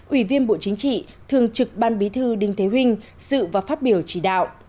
ủy viên bộ chính trị thường trực ban bí thư đinh thế vinh dự và phát biểu chỉ đạo